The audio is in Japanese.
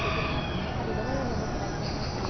その辺りどのように思ってらっしゃいましたか？